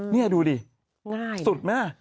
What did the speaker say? เนี่ยดูดิสุดมาก